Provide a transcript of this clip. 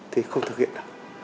thì không thực hiện được